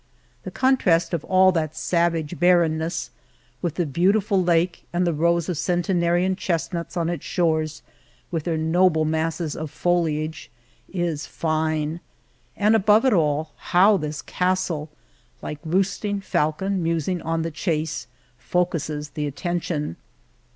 The contrast of all that savage barrenness with the beautiful lake and the rows of centenarian chestnuts on its shores with their noble masses of foli age is fine. But above it all, how this cas tle, like roosting falcon musing on the chase," focuses the attention